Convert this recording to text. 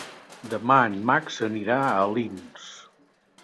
Demà en Max anirà a Alins.